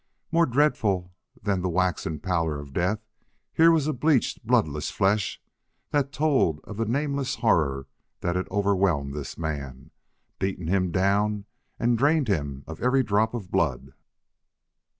More dreadful than the waxen pallor of death, here was a bleached, bloodless flesh that told of the nameless horror that had overwhelmed this man, beaten him down and drained him of every drop of blood.